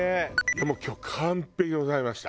もう今日完璧でございました。